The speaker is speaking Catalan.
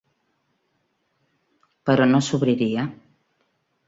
Però no s'obriria.